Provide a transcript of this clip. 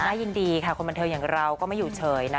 น่ายินดีค่ะคนบันเทิงอย่างเราก็ไม่อยู่เฉยนะ